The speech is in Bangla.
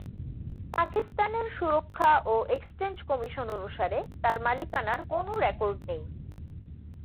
পাকিস্তানের সুরক্ষা ও এক্সচেঞ্জ কমিশন অনুসারে তাঁর মালিকানার কোনও রেকর্ড নেই।